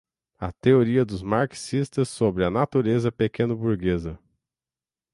a teoria dos marxistas sobre a natureza pequeno-burguesa